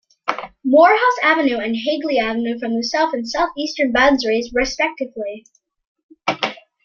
Moorhouse Avenue and Hagley Avenue form the south and south-eastern boundaries, respectively.